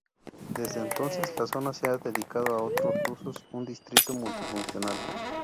Desde entonces la zona se ha dedicado a otros usos, un distrito multifuncional.